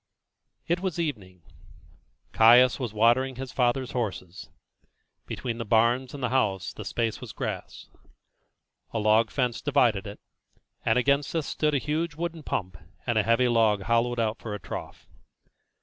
It was evening. Caius was watering his father's horses. Between the barns and the house the space was grass; a log fence divided it, and against this stood a huge wooden pump and a heavy log hollowed out for a trough.